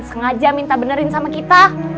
sengaja minta benerin sama kita